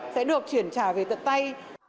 sẽ được chuyển trả về tận tay